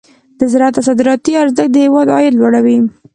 د زراعت صادراتي ارزښت د هېواد عاید لوړوي.